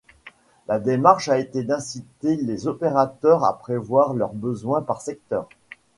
La démarche a été d'inciter les opérateurs à prévoir leurs besoins par secteur.